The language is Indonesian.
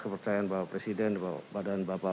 kepercayaan bapak presiden bapak dan bapak